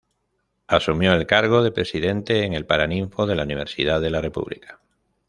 Asumió el cargo de presidente en el paraninfo de la Universidad de la República.